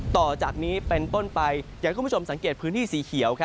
ต่อจากนี้เป็นต้นไปอยากให้คุณผู้ชมสังเกตพื้นที่สีเขียว